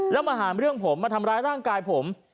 แล้วมาหาเรื่องผมมาทำร้ายร่างกายผม